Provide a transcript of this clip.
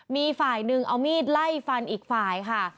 มีฝ่ายหนึ่งเอามีดไล่ฟันอีกฝ่ายค่ะ